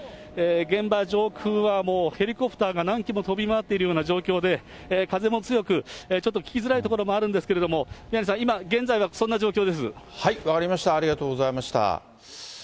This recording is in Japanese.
現場上空は、もうヘリコプターが何機も飛び回っているような状況で、風も強く、ちょっと聞きづらいところもあるんですけれども、宮根さん、現在分かりました、ありがとうございました。